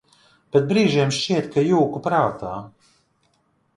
Bet brīžiem šķiet, ka jūku prātā.